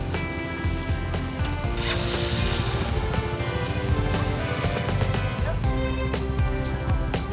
masjid enggak mau doang